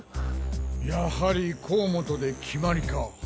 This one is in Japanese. やはり甲本で決まりか。